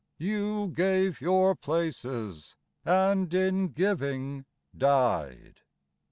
You gave your places, and in giving died